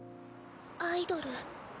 アイドル。